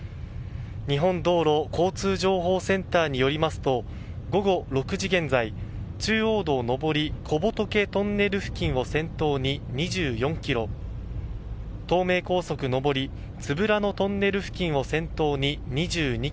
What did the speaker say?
日本道路交通情報センターによりますと午後６時現在、中央道上り小仏トンネル付近を先頭に２４ｋｍ東名高速上り都夫良野トンネル付近を先頭に２２ｋｍ。